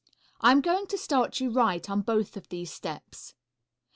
I am going to start you right on both of these steps.